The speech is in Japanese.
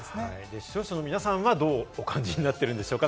視聴者の皆さんはどうお感じになっているんでしょうか？